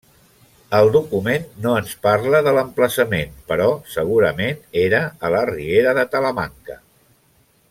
Al document no ens parla de l'emplaçament però segurament era a la riera de Talamanca.